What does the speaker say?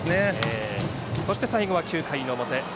そして最後は９回の表。